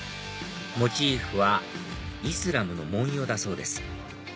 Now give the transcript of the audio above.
モチーフはイスラムの文様だそうです